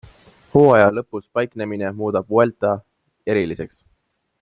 Hooaja lõpus paiknemine muudab Vuelta eriliseks.